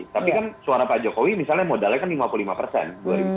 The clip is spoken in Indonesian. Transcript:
tapi kan suara pak jokowi misalnya modalnya kan lima puluh lima persen